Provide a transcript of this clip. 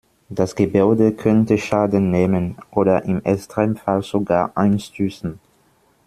Das Gebäude könnte Schaden nehmen oder im Extremfall sogar einstürzen.